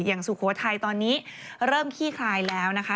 อย่างสุโขทัยตอนนี้เริ่มคี่คลายแล้วนะฮะ